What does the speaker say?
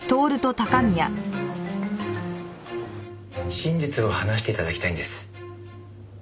真実を話して頂きたいんです。